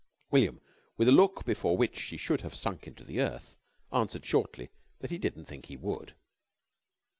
William, with a look before which she should have sunk into the earth, answered shortly that he didn't think he would.